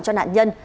cho nạn nhân